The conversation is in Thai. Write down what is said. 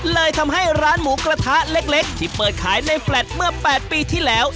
เลยทำให้ร้านหมูกระทะเล็กที่เปิดขายในแฟลตเมื่อ๘ปีที่แล้ว